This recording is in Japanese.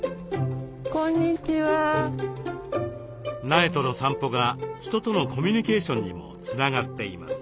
苗との散歩が人とのコミュニケーションにもつながっています。